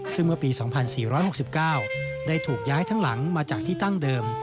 ซึ่งเมื่อปี๒๔๖๙ได้ถูกย้ายทั้งหลังมาจากที่ตั้งเดิม